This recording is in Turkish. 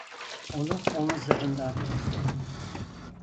Onu omuzlarından tuttu.